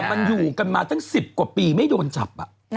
มันอยู่กันมาตั้ง๑๐กว่าปีไม่โดนจับ